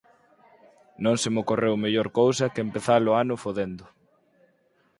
Non se me ocorreu mellor cousa que empeza-lo ano fodendo.